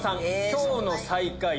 今日の最下位